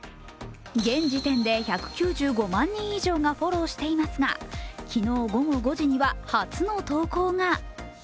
現時点で１９５万人以上がフォローしていますが、昨日午後５時には初の投稿が。